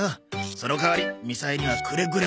その代わりみさえにはくれぐれもコレだぞ。